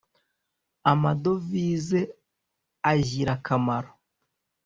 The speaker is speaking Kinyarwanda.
amadovise ajyirakamaro.